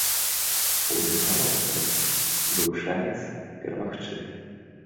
У дынамаўцаў быў шанец перамагчы.